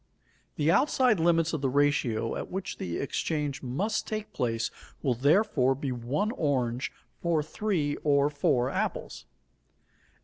The outside limits of the ratio at which the exchange must take place will, therefore, be one orange for three or four apples.